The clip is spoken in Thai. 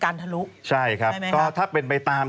แต่ถ้ามีแสงต้องมีการทะลุ